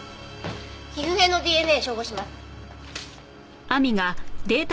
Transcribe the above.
皮膚片のＤＮＡ照合します。